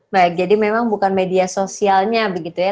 baik jadi memang bukan media sosialnya begitu ya